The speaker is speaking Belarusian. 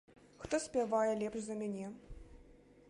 Хто спявае лепш за мяне?